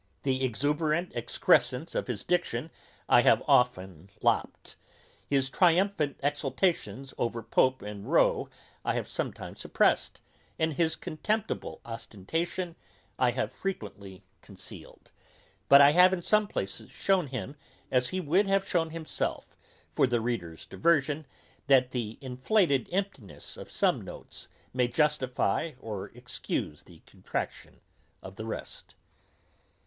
The exuberant excrescence of his diction I have often lopped, his triumphant exultations over Pope and Rowe I have sometimes suppressed, and his contemptible ostentation I have frequently concealed; but I have in some places shewn him, as he would have shewn himself, for the reader's diversion, that the inflated emptiness of some notes may justify or excuse the contraction of the rest.